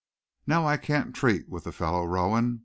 Now I can't treat with the fellow, Rowan.